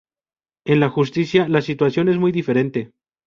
En la justicia, la situación es muy diferente.